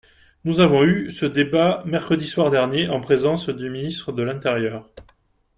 Nous avons eu ce débat mercredi soir dernier en présence du ministre de l’intérieur.